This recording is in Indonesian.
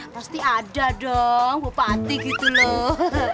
pasti ada dong bupati gitu loh